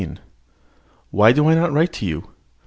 JUNE 16. "Why do I not write to you?"